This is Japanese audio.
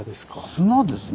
砂ですね。